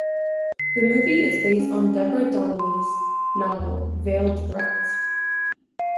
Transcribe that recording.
The movie is based on Deborah Donnelly's novel "Veiled Threats".